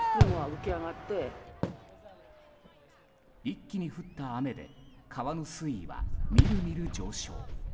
一気に降った雨で川の水位は、みるみる上昇。